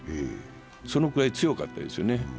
そのぐらい強かったですよね。